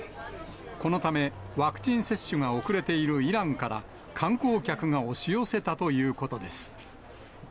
このため、ワクチン接種が遅れているイランから観光客が押し寄せたということです。